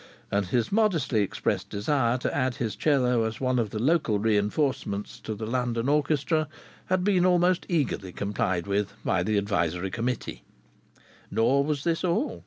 And his modestly expressed desire to add his 'cello as one of the local reinforcements of the London orchestra had been almost eagerly complied with by the Advisory Committee. Nor was this all.